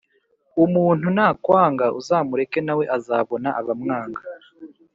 Umuntu nakwanga uzamureke nawe azabona abamwanga